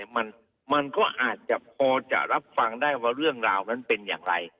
มันก็อาจจะพอจะรับฟังได้ว่าเรื่องราวนั้นเป็นอย่างไร